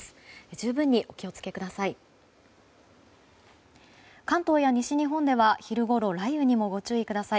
十分にお気を付けください。